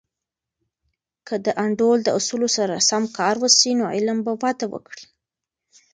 که د انډول د اصولو سره سم کار وسي، نو علم به وده وکړي.